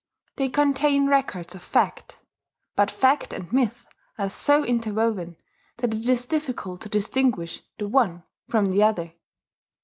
They contain records of fact; but fact and myth are so interwoven that it is difficult to distinguish the one from the other.